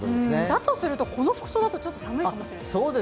だとすると、この服装だとちょっと寒いかもしれません。